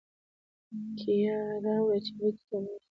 کیه راوړه چې بوټي ته ولاړ شو.